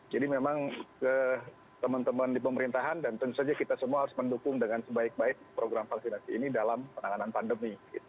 jadi memang teman teman di pemerintahan dan tentu saja kita semua harus mendukung dengan sebaik baik program vaksinasi ini dalam penanganan pandemi